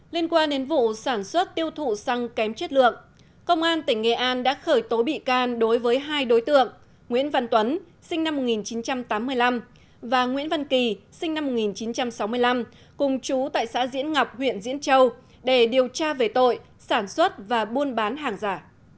liên quan đến vụ sản xuất tiêu thụ xăng kém chất lượng công an tỉnh nghệ an đã khởi tố bị can đối với hai đối tượng nguyễn văn tuấn sinh năm một nghìn chín trăm tám mươi năm và nguyễn văn kỳ sinh năm một nghìn chín trăm sáu mươi năm cùng chú tại xã diễn ngọc huyện diễn châu để điều tra về tội sản xuất và buôn bán hàng giả